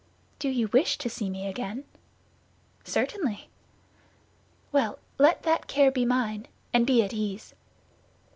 "Do you wish to see me again?" "Certainly." "Well, let that care be mine, and be at ease."